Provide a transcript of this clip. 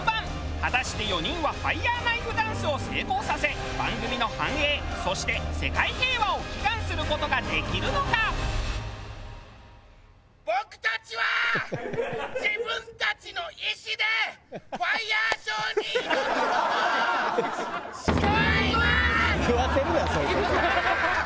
果たして４人はファイヤーナイフダンスを成功させ番組の繁栄そして世界平和を祈願する事ができるのか？いくぞー！